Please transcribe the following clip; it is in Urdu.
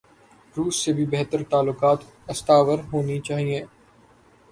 روس سے بھی بہتر تعلقات استوار ہونے چائیں۔